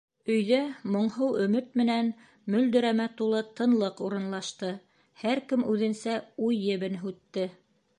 Өйҙә моңһоу, өмөт менән мөлдөрәмә тулы тынлыҡ урынлашты, һәр кем үҙенсә уй ебен һүтте.